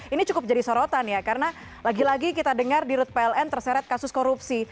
ini cukup jadi sorotan ya karena lagi lagi kita dengar di rut pln terseret kasus korupsi